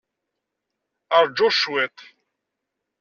Ṛju cwiṭ.